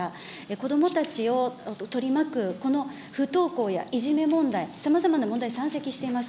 子どもたちを取り巻く、この不登校やいじめ問題、さまざまな問題、山積しています。